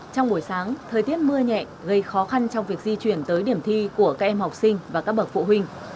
trong buổi sáng thời tiết mưa nhẹ gây khó khăn trong việc di chuyển tới điểm thi của các em học sinh và các bậc phụ huynh